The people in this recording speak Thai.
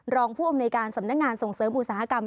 รองผู้อำนวยการสำนักงานส่งเสริมอุตสาหกรรม